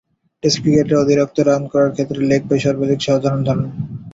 Test ক্রিকেটে অতিরিক্ত run করার ক্ষেত্রে লেগ বাই সর্বাধিক সাধারণ ধরন।